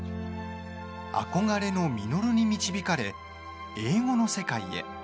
憧れの稔に導かれ英語の世界へ。